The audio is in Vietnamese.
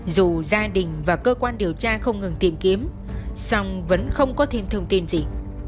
dù gia đình và cơ quan điều tra không ngừng tìm kiếm song vẫn không có thêm thông tin gì